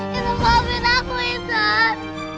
cuma mau mawin aku intan